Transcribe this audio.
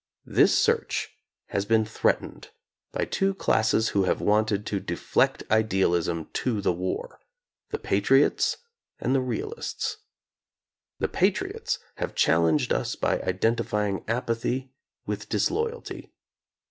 This search has been threatened by two classes who have wanted to deflect idealism to the war, — the patriots and the realists. The patriots have challenged us by identifying apathy with disloy alty.